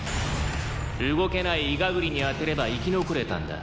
「動けないイガグリに当てれば生き残れたんだ」